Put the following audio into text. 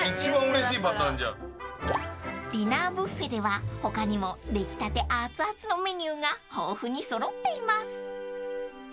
［ディナーブッフェでは他にも出来たて熱々のメニューが豊富に揃っています］